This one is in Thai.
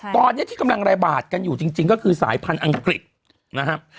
ตอนนี้ที่กำลังระบาดกันอยู่จริงก็คือสายพันธุ์อังกฤษนะครับ